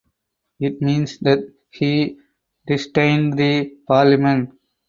It means that he disdained the Parliament.